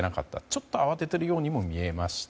ちょっと慌てているようにも見えました。